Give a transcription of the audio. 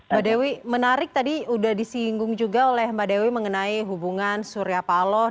mbak dewi menarik tadi sudah disinggung juga oleh mbak dewi mengenai hubungan surya paloh